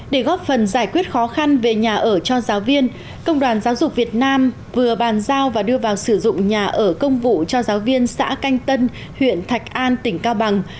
để góp phần giải quyết khó khăn về nhà ở cho giáo viên công đoàn giáo dục việt nam vừa bàn giao và đưa vào sử dụng nhà ở công vụ cho giáo viên xã canh tân huyện thạch an tỉnh cao bằng